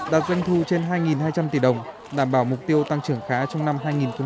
đạt doanh thu trên hai hai trăm linh tỷ đồng đảm bảo mục tiêu tăng trưởng khá trong năm hai nghìn hai mươi